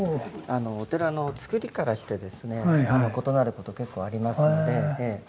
お寺の造りからしてですね異なること結構ありますのでええ。